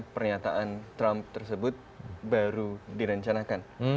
pernyataan trump tersebut baru direncanakan